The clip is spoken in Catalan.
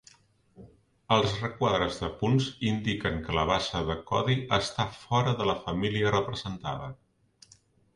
Els requadres de punts indiquen que la base de codi està fora de la família representada.